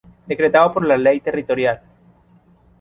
Decretado por la ley territorial.